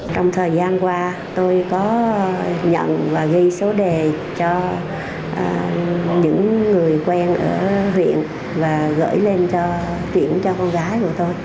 trong thời gian qua tôi có nhận và ghi số đề cho những người quen ở huyện và gửi lên chuyện cho con gái của tôi